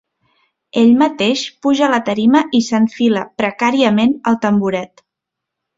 Ell mateix puja a la tarima i s'enfila precàriament al tamboret.